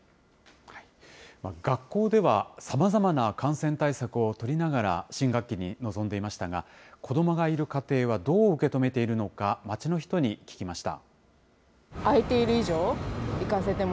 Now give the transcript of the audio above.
学校ではさまざまな感染対策を取りながら、新学期に臨んでいましたが、子どもがいる家庭はどう受け止めているのか、街の人に聞きました。